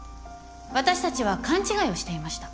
私たちは勘違いをしていました。